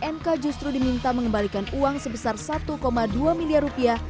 mk justru diminta mengembalikan uang sebesar satu dua miliar rupiah